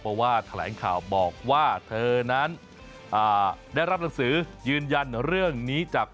เพราะว่าแถลงข่าวบอกว่าเธอนั้นได้รับหนังสือยืนยันเรื่องนี้จาก